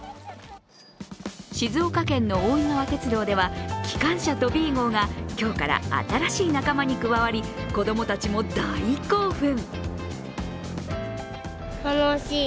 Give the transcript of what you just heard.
静岡県の大井川鐵道では、きかんしゃトビー号が今日から新しい仲間に加わり、子供たちも大興奮。